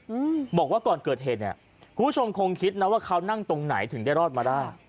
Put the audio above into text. อืมบอกว่าก่อนเกิดเหตุเนี้ยคุณผู้ชมคงคิดนะว่าเขานั่งตรงไหนถึงได้รอดมาได้